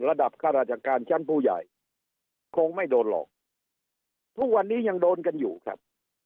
ข้าราชการชั้นผู้ใหญ่คงไม่โดนหลอกทุกวันนี้ยังโดนกันอยู่ครับ